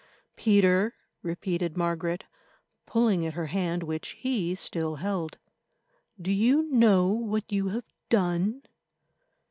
"Peter!" repeated Margaret, pulling at her hand which he still held, "do you know what you have done?"